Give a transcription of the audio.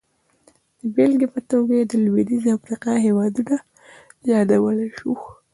د بېلګې په توګه یې د لوېدیځې افریقا هېوادونه یادولی شو.